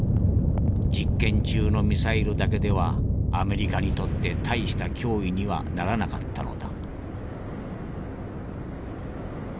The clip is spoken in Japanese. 実験中のミサイルだけではアメリカにとって大した脅威にはならなかったのだ」。